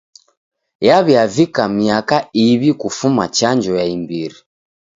Yaw'iavika miaka iw'i kufuma chanjo ya imbiri.